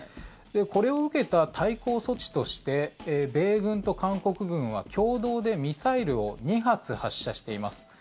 これを受けた対抗措置として米軍と韓国軍は共同でミサイルを２発発射しています。